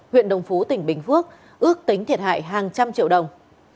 huyện đồng phú tỉnh bình phước ước tính thiệt hại hàng trăm triệu đồng